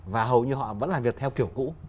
và hầu như họ vẫn làm việc theo kiểu cũ